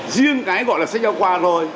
riêng cái gọi là sách giáo khoa thôi